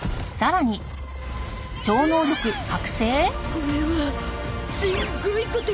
これはすっごいことになるゾ。